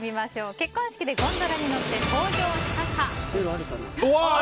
結婚式でゴンドラに乗って登場したか。